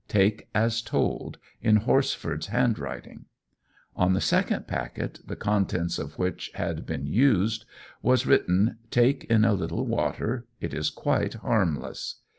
Take as told," in Horsford's handwriting. On the second packet, the contents of which had been used, was written, "Take in a little water. It is quite harmless."